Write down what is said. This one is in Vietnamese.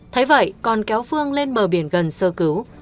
thấy vậy còn kéo phương lên bờ biển gần sơ cứu